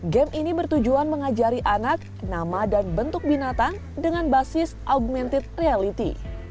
game ini bertujuan mengajari anak nama dan bentuk binatang dengan basis augmented reality